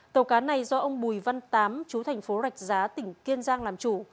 tàu cá này do ông bùi văn tám chú thành phố rạch giá tỉnh kiên giang làm chủ